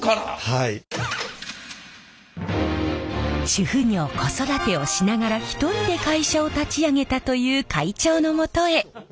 主婦業子育てをしながら一人で会社を立ち上げたという会長のもとへ。